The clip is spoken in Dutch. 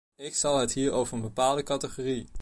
Ik zal het hier over een bepaalde categorie.